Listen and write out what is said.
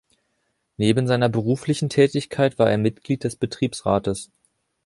Neben seiner beruflichen Tätigkeit war er Mitglied des Betriebsrates.